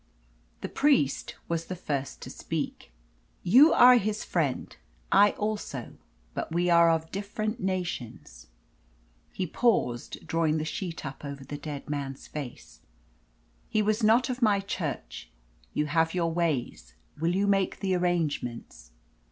The priest was the first to speak. "You are his friend, I also; but we are of different nations." He paused, drawing the sheet up over the dead man's face. "He was not of my Church. You have your ways; will you make the arrangements?"